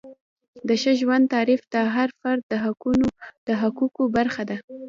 د ښه ژوند تعریف د هر فرد د حقوقو برخه ده.